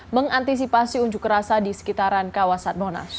mengantisipasi unjuk rasa di sekitaran kawasan monas